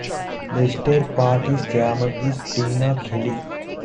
The state party's chairman is Tina Kelly.